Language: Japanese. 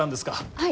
はい。